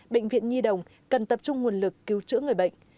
bệnh viện nhi đồng cần tập trung nguồn lực cứu trữ người bệnh